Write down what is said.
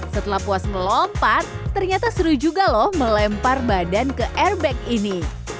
setelah puas melompat ternyata seru juga loh melempar badan ke airbag ini